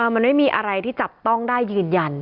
มันไม่มีอะไรที่จับต้องได้ยืนยัน